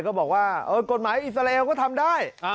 ก็บอกว่ากฎหมายอิสราเอลก็ทำได้